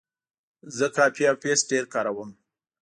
زه کاپي او پیسټ ډېر کاروم.